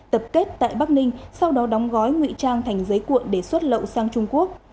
tập kết tại bắc ninh sau đó đóng gói nguy trang thành giấy cuộn để xuất lậu sang trung quốc